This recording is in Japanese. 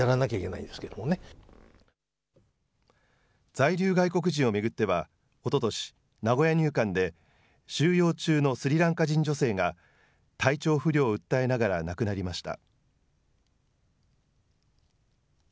在留外国人を巡っては、おととし、名古屋入管で収容中のスリランカ人女性が体調不良を訴えながら亡くなりました。